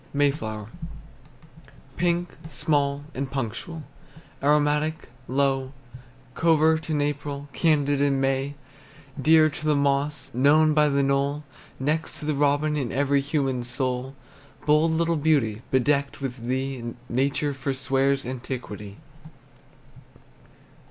MAY FLOWER. Pink, small, and punctual, Aromatic, low, Covert in April, Candid in May, Dear to the moss, Known by the knoll, Next to the robin In every human soul. Bold little beauty, Bedecked with thee, Nature forswears Antiquity.